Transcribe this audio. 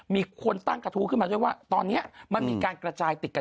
มีคนตั้งกระทู้ขึ้นมาด้วยว่าตอนนี้มันมีการกระจายติดกัน